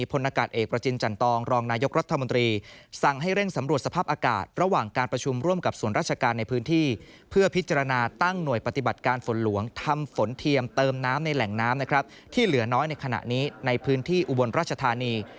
พลอากาศเอกประจินจันตองรองนายกรัฐมนตรีสั่งให้เร่งสำรวจสภาพอากาศระหว่างการประชุมร่วมกับส่วนราชการในพื้นที่เพื่อพิจารณาตั้งหน่วยปฏิบัติการฝนหลวงทำฝนเทียมเติมน้ำในแหล่งน้ำนะครับที่เหลือน้อยในขณะนี้ในพื้นที่อุบลราชธานี